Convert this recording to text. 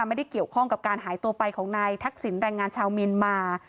ไม่ได้เกี่ยวข้องกับการหายตัวไปของนายทักษิณแรงงานชาวเมียนมา